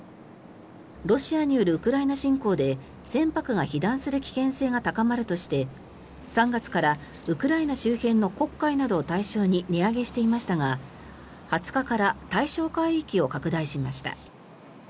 ロシアによるウクライナ侵攻で船舶が被弾する危険性が高まるとして３月からウクライナ周辺の黒海などを対象に値上げしていましたが２０日から対象海域を拡大しました。